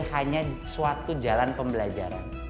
hanya suatu jalan pembelajaran